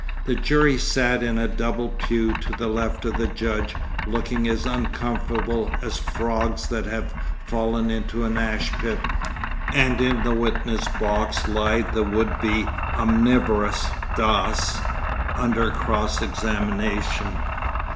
The jury sat in a double pew to the left of the judge, looking as uncomfortable as frogs that have fallen into an ash pit, and in the witness box lied the would be omnivorous Dass, under cross examination....